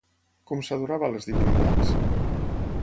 Com s'adorava a les divinitats?